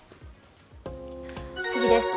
次です。